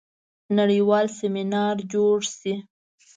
نړیوال سیمینار جوړ شي.